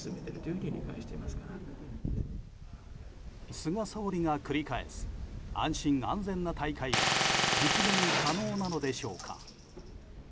菅総理が繰り返す安心・安全な大会は実現可能なのでしょうか。